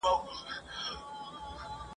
د بډای په ختم کي ملا نه ستړی کېږي !.